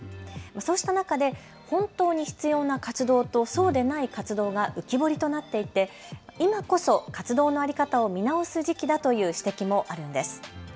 そうした中で本当に必要な活動とそうでない活動が浮き彫りとなっていて今こそ活動の在り方を見直す時期だという指摘もあるんです。